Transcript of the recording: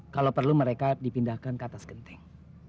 kalau perlu mereka dipindahkan ke atas genting